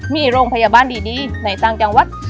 มีโรงพยาบาลดีในต่างจังหวัด